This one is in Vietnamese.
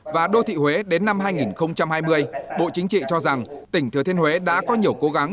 và đô thị huế đến năm hai nghìn hai mươi bộ chính trị cho rằng tỉnh thừa thiên huế đã có nhiều cố gắng